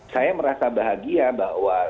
saya merasa bahagia bahwa